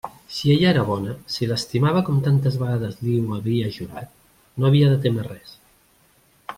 Si ella era bona, si l'estimava com tantes vegades li ho havia jurat, no havia de témer res.